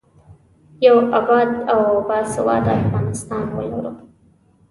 یو اباد او باسواده افغانستان ولرو.